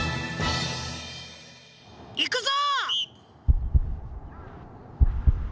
いくぞ！